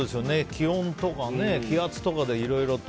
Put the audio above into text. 気温とか気圧とかで、いろいろと。